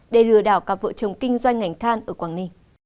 để lừa đảo cặp vợ chồng kinh doanh ngành than ở quảng ninh